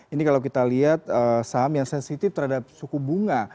ini kalau kita lihat saham yang sensitif terhadap suku bunga